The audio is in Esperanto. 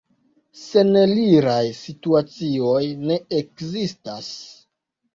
Seneliraj situacioj ne ekzistas.